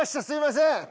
すいません！